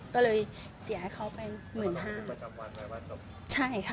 ก็เลยเสียให้เขาเป็นหมื่นห้าบาทลงบันทึกประจำวันไว้วันจบ